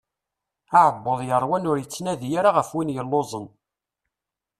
Aɛebbuḍ yeṛwan ur yettnadi ara ɣef win yelluẓen.